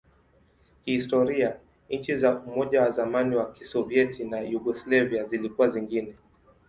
Kihistoria, nchi za Umoja wa zamani wa Kisovyeti na Yugoslavia zilikuwa zingine.